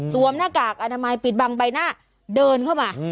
หน้ากากอนามัยปิดบังใบหน้าเดินเข้ามา